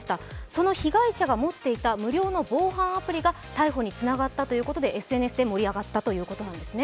その被害者が持っていた無料の防犯アプリが逮捕につながったということでＳＮＳで盛り上がったということなんです。